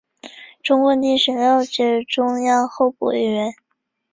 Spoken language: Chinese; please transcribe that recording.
中共第十六届中央候补委员。